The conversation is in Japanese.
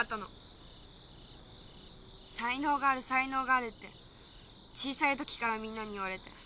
「才能がある才能がある」って小さいときからみんなに言われて。